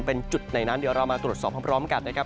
เป็นจุดไหนนั้นเดี๋ยวเรามาตรวจสอบพร้อมกันนะครับ